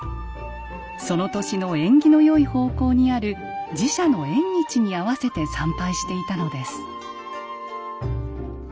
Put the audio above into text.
その年の縁起の良い方向にある寺社の縁日に合わせて参拝していたのです。